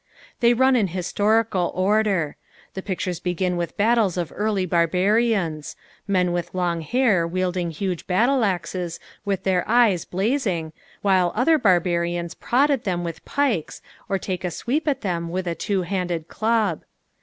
They run in historical order. The pictures begin with battles of early barbarians men with long hair wielding huge battle axes with their eyes blazing, while other barbarians prod at them with pikes or take a sweep at them with a two handed club.